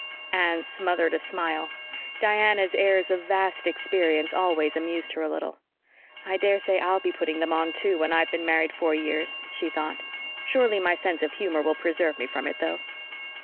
Anne smothered a smile. Diana's airs of vast experience always amused her a little. "I daresay I'll be putting them on too, when I've been married four years," she thought. "Surely my sense of humor will preserve me from it, though."